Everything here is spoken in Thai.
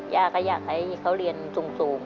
ย่าก็อยากให้เขาเรียนสูง